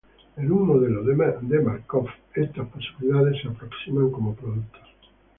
En un Modelo de Markov estas probabilidades se aproximan como productos.